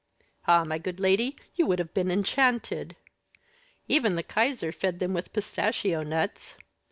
"Ah, my good lady, you would have been enchanted. Even the kaiser fed them with pistachio nuts.